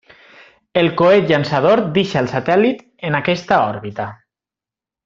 El coet llançador deixa el satèl·lit en aquesta òrbita.